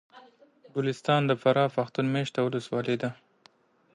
ګلستان د فراه پښتون مېشته ولسوالي ده